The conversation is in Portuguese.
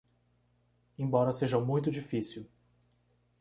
Embora seja muito difícil